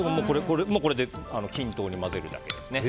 これで均等に混ぜるだけです。